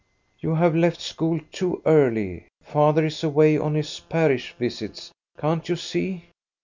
" You have left school too early. Father is away on his parish visits, can't you see?"